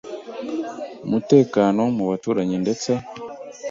umutekano mu baturanyi Ndetse